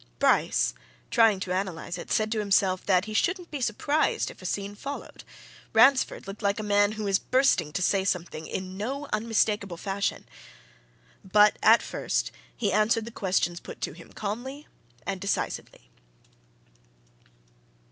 Bryce, trying to analyse it, said to himself that he shouldn't be surprised if a scene followed Ransford looked like a man who is bursting to say something in no unmistakable fashion. But at first he answered the questions put to him calmly and decisively.